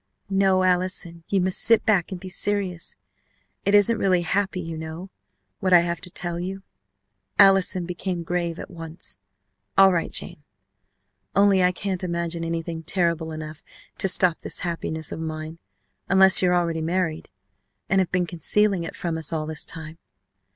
"No, Allison, you must sit back and be serious. It isn't really happy, you know what I have to tell you !" Allison became grave at once. "All right, Jane, only I can't imagine anything terrible enough to stop this happiness of mine unless you're already married and have been concealing it from us all this time